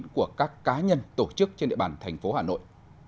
của các cá nhân tổ chức trên địa bàn thành phố hà nội